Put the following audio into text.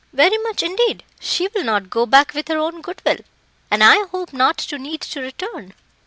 "Very much, indeed. She will not go back with her own goodwill, and I hope not to need to return."